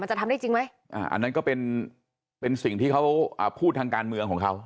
จะทำได้จริงไหมอันนั้นก็เป็นสิ่งที่เขาพูดทางการเมืองของเขา